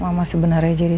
mama sebenarnya jadi